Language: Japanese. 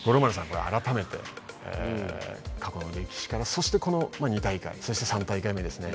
これ改めて過去の歴史からそしてこの２大会そして３大会目ですね